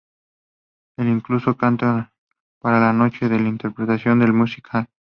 El incluso canta para la noche de interpretaciones en el Music Hall.